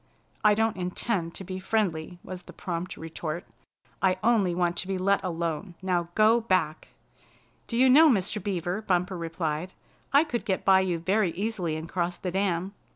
"I don't intend to be friendly," was the prompt retort. "I only want to be let alone. Now go back!" "Do you know, Mr. Beaver," Bumper replied, "I could get by you very easily and cross the dam?